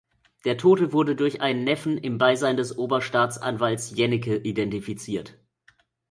Der Tote wurde durch einen Neffen im Beisein des Oberstaatsanwalts Jänicke identifiziert.